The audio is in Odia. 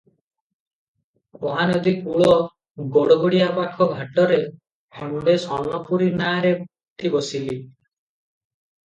ମହାନଦୀ କୂଳ ଗଡ଼ଗଡ଼ିଆ ପାଖ ଘାଟରେ ଖଣ୍ଡେ ସୋନପୁରୀ ନାଆରେ ଉଠି ବସିଲି ।